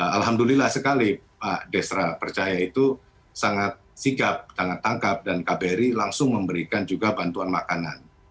alhamdulillah sekali pak desra percaya itu sangat sigap sangat tangkap dan kbri langsung memberikan juga bantuan makanan